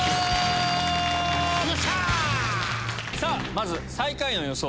まず最下位の予想